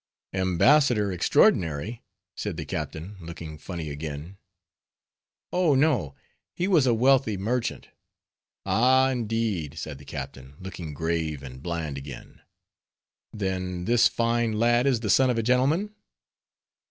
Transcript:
"Embassador extraordinary?" said the captain, looking funny again. "Oh! no, he was a wealthy merchant." "Ah! indeed;" said the captain, looking grave and bland again, "then this fine lad is the son of a gentleman?"